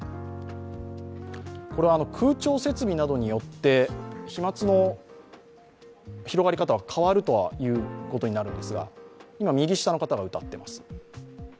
これは空調設備などによって飛まつの広がり方は変わることにはなるわけですが、右下の方が歌っています。